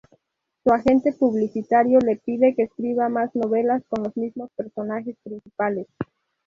Su agente publicitario le pide que escriba más novelas con los mismos personajes principales.